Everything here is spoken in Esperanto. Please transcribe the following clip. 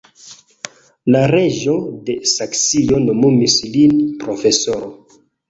La reĝo de Saksio nomumis lin profesoro.